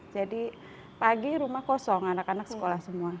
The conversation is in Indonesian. jadi pagi rumah kosong anak anak sekolah semua